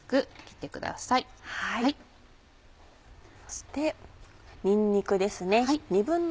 そしてにんにくですね。